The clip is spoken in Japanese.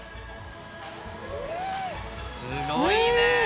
すごいね。